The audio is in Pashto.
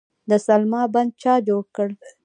د سلما بند چا جوړ کړ؟